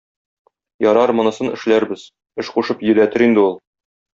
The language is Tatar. Ярар, монысын эшләрбез, эш кушып йөдәтер инде ул.